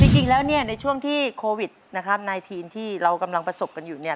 จริงแล้วเนี่ยในช่วงที่โควิดนะครับนายทีนที่เรากำลังประสบกันอยู่เนี่ย